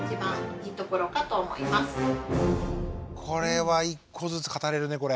これは１個ずつ語れるね。